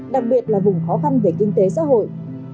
đặc biệt là vùng khó khăn về kinh tế xã hội